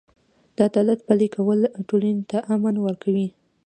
د عدالت پلي کول ټولنې ته امن ورکوي.